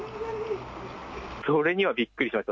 それにはびっくりしました。